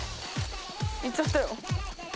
行っちゃったよ。